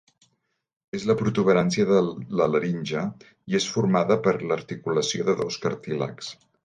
És la protuberància de la laringe i és formada per l'articulació de dos cartílags.